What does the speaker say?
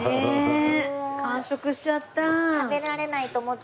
ねえ完食しちゃった。